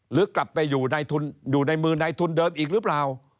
หรือกลับไปอยู่ในมือในทุนเดิมอีกหรือเปล่า